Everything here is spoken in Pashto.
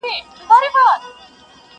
دژوندون باقي سفره نور به لوری پر دې خوا کم,